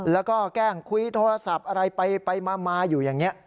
แล้วก็แกล้งคุยโทรศัพท์อะไรไปมาอยู่อย่างนี้